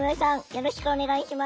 よろしくお願いします。